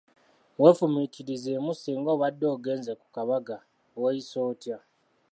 Weefumiitirizeemu singa obadde ogenze ku kabaga, weeyisa otya?